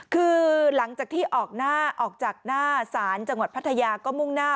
คือหลังจากที่ออกหน้าออกจากหน้าศาลจังหวัดพัทยาก็มุ่งหน้า